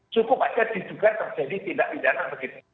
cukup saja ditugas terjadi tidak bidana begitu